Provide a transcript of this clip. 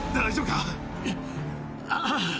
・ああ。